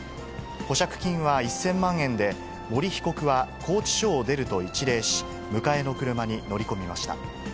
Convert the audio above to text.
保釈金は１０００万円で、森被告は拘置所を出ると一礼し、迎えの車に乗り込みました。